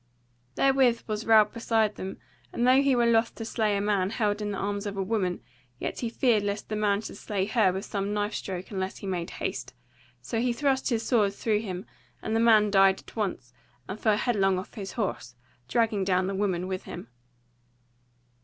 Therewith was Ralph beside them, and though he were loth to slay a man held in the arms of a woman, yet he feared lest the man should slay her with some knife stroke unless he made haste; so he thrust his sword through him, and the man died at once, and fell headlong off his horse, dragging down the woman with him.